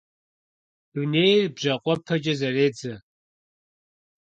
Дунейр бжьакъуэпэкӀэ зэредзэ.